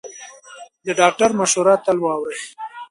د ډاکټر مشوره تل واورئ.